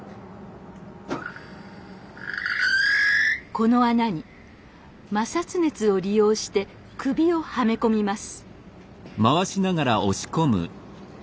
この穴に摩擦熱を利用して首をはめ込みます。